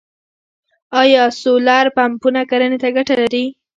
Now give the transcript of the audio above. آیا سولر پمپونه کرنې ته ګټه لري؟